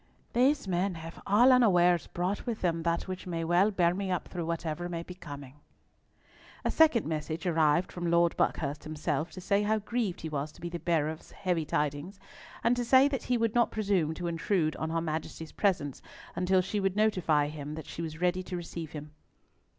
"These men have all unawares brought with them that which may well bear me up through whatever may be coming." A second message arrived from Lord Buckhurst himself, to say how grieved he was to be the bearer of heavy tidings, and to say that he would not presume to intrude on her Majesty's presence until she would notify to him that she was ready to receive him.